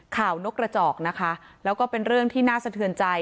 นกกระจอกนะคะแล้วก็เป็นเรื่องที่น่าสะเทือนใจ